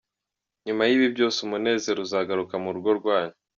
Nyuma y’ibi byose umunezero uzagaruka mu rugo rwanyu.